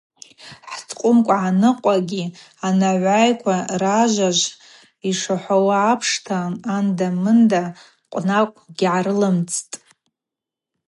Хӏткъвым гӏаныкъвагьи анагӏвайква ражважв йшахӏвауа апшта, анда-мында къвнакъ дыгьгӏарылымцӏтӏ.